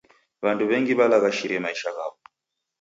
W'andu w'engi walaghashire maisha ghaw'o.